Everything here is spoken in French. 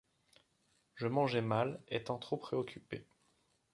Je mangeai mal, étant trop préoccupé.